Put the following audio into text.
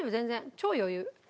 超余裕。